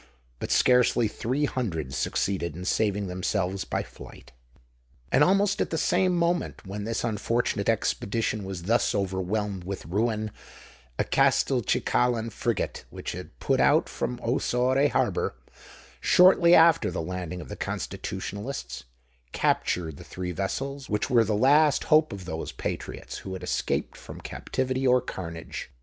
But scarcely three hundred succeeded in saving themselves by flight. And almost at the same moment when this unfortunate expedition was thus overwhelmed with ruin, a Castelcicalan frigate, which had put out from Ossore harbour, shortly after the landing of the Constitutionalists, captured the three vessels which were the last hope of those patriots who had escaped from captivity or carnage.